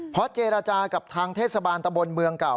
เพราะเจรจากับทางเทศบาลตะบนเมืองเก่า